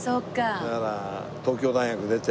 だから。